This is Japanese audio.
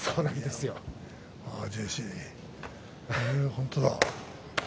本当だ。